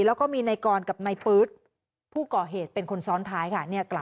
แล้วก็มีนายกรกับนายปื๊ดผู้ก่อเหตุเป็นคนซ้อนท้ายค่ะ